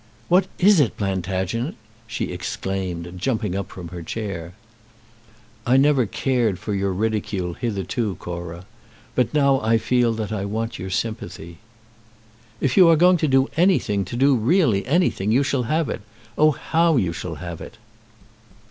"What is it, Plantagenet?" she exclaimed, jumping up from her chair. "I never cared for your ridicule hitherto, Cora; but now I feel that I want your sympathy." "If you are going to do anything, to do really anything, you shall have it. Oh, how you shall have it!"